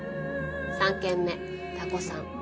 ３件目多湖さん